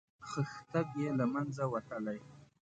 خښتګ یې له منځه وتلی.